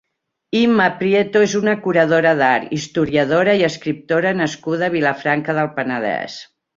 Imma Prieto és una curadora d'art, historiadora i escriptora nascuda a Vilafranca del Penedès.